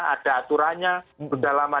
ada aturannya sudah lama